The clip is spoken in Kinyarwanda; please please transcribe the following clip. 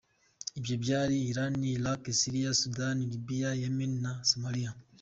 Ibyo byari; Iran, Iraq, Syria, Sudani, Libya, Yemen na Somalia.